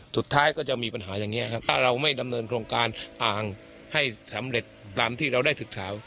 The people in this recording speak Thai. สุดท้ายก็จะมีปัญหาอย่างนี้ครับถ้าเราไม่ดำเนินโครงการอ่างให้สำเร็จตามที่เราได้ศึกษา